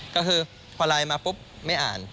ก็คือพอไลน์มาปุ๊บไม่อ่าน